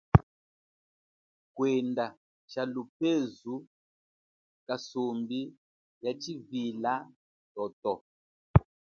Kwenda tshalupezu kasumbi ya tshivila toto.